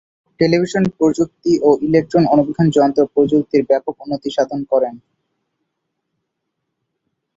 Television প্রযুক্তি ও electron অণুবীক্ষণ যন্ত্র প্রযুক্তির ব্যাপক উন্নতি সাধন করেন।